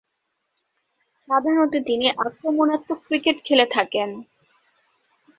সাধারণত তিনি আক্রমণাত্মক ক্রিকেট খেলে থাকেন।